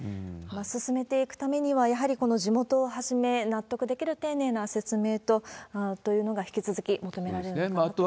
進めていくためには、やはりこの地元をはじめ、納得できる丁寧な説明というのが引き続き求められるのかなと。